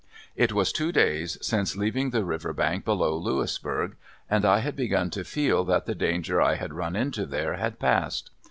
It was two days since leaving the river bank below Louisburg, and I had begun to feel that the danger I had run into there had passed.